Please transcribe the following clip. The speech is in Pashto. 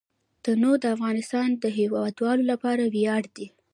تنوع د افغانستان د هیوادوالو لپاره ویاړ دی.